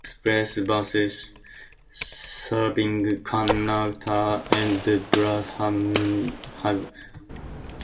Express buses serving Kanata and Barrhaven have Hurdman Station as the downtown terminus.